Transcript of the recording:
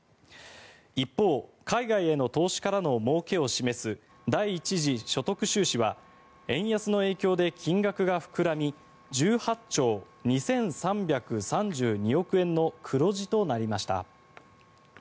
一方、海外への投資からのもうけを示す第一次所得収支は円安の影響で金額が膨らみ１８兆２３３２億円の黒字となりました。